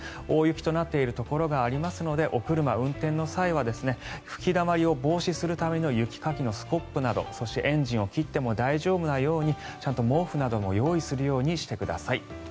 大雪となっているところがありますのでお車運転の際は吹きだまりを防止するための雪かきのスコップなどそしてエンジンを切っても大丈夫なように毛布なども用意するようにしてください。